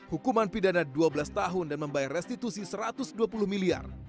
hukuman pidana dua belas tahun dan membayar restitusi satu ratus dua puluh miliar